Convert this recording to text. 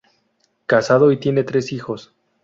Casado y con tres hijos.